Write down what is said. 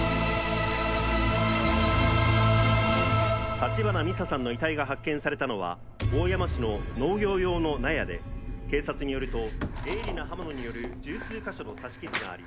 橘美沙さんの遺体が発見されたのは大山市の農業用の納屋で警察によると鋭利な刃物による１０数か所の刺し傷があり。